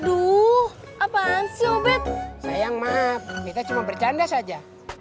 aduh apaan sobat sayang mah kita cuma bercanda saja